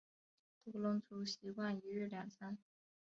独龙族习惯一日两餐。